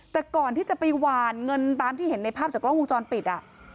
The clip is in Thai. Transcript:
แต่ก่อนที่จะไปหวานเงินตามที่เห็นในภาพจากกล้องวงจรปิด